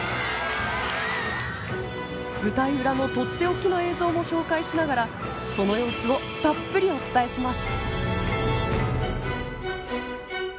舞台裏の取って置きの映像も紹介しながらその様子をたっぷりお伝えします。